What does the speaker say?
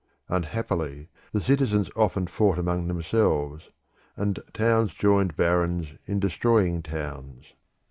Unhappily the citizens often fought among themselves, and towns joined barons in destroying towns.